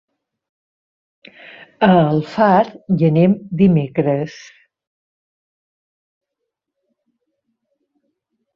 A Alfarb hi anem dimecres.